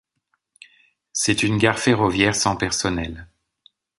C'est une gare ferroviaire sans personnel.